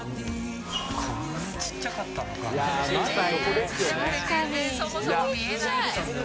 こんなちっちゃかったの、確かに。